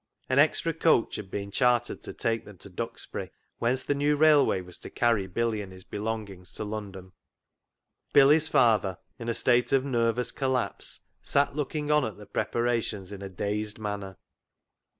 An extra coach had been chartered to take them to Duxbury, whence the new railway was to carry Billy and his belongings to London. Billy's father, in a state of nervous collapse, sat looking on at the preparations in a dazed manner.